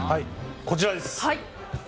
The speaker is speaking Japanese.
こちらです！